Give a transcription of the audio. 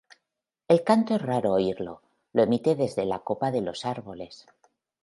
El canto es raro oírlo, lo emite desde la copa de los árboles.